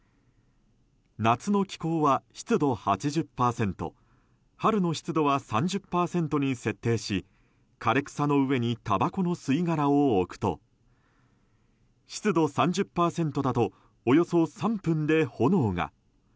夏の気候は湿度８０％春の湿度は３０％に設定し枯れ草の上にたばこの吸い殻を置くと湿度３０％だとおよそ３分で、炎が。